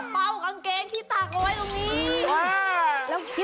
เป้ากางเกงที่ตากเอาไว้ตรงนี้